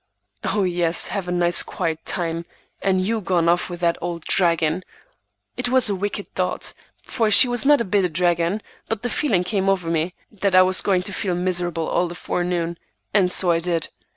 "Oh, yes; have a nice quiet time, and you gone off with that old dragon!" It was a wicked thought, for she was not a bit of a dragon, but the feeling came over me that I was going to feel miserable all the forenoon, and so I did.